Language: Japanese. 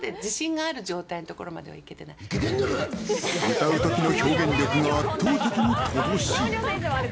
歌うときの表現力が圧倒的に乏しい。